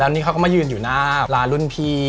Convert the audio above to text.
แล้วอันนี้เขาก็มายืนอยู่หน้าร้านรุ่นพี่